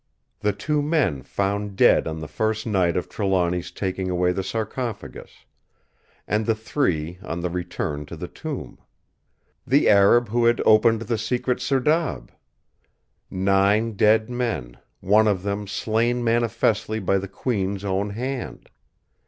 The two men found dead on the first night of Trelawny's taking away the sarcophagus; and the three on the return to the tomb. The Arab who had opened the secret serdab. Nine dead men, one of them slain manifestly by the Queen's own hand!